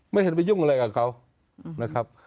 ไม่เห็นไปยุ่งอะไรกับเขา